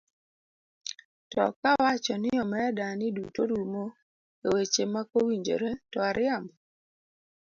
To kawacho ni omeda ni duto rumo e weche makowinjore, to ariambo?